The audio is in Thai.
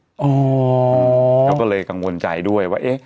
เราก็เลยกังวลใจด้วยว่า